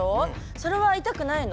それはいたくないの？